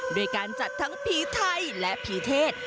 ด้วยการจัดทั้งผีไทยและผีเทศ